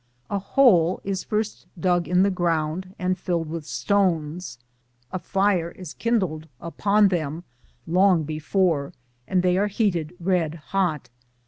A hole is first dug in the ground and filled with stones; a fire is kindled upon them long before, and they are 238 BOOTS AND SADDLES, heated red hot.